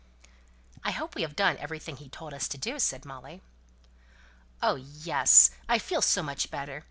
'" "I hope we have done everything he told us to do," said Molly. "Oh yes! I feel so much better.